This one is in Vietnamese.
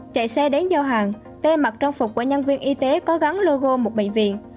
chạy xe đến giao hàng tay mặc trang phục của nhân viên y tế có gắn logo một bệnh viện